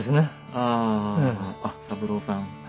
あああっ三郎さん。